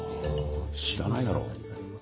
知らないだろ俺。